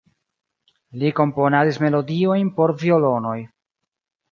Li komponadis melodiojn por violonoj.